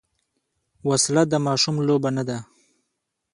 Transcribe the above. وسله د ماشوم لوبه نه ده